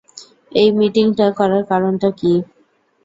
এই মিটিংটা করার কারণটা কি?